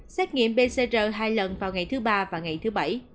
xét nghiệm pcr hai lần vào ngày thứ ba và ngày thứ bảy